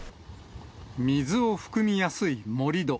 水を含みやすい盛り土。